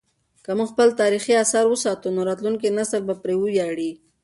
که موږ خپل تاریخي اثار وساتو نو راتلونکی نسل به پرې ویاړي.